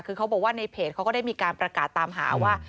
คือเขาบอกว่าในเพจเขาก็ได้มีการประกาศตามหาว่า